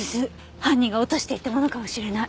犯人が落としていったものかもしれない。